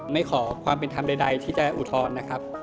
ไม่ขอความเป็นธรรมใดที่จะอุทธรณ์นะครับ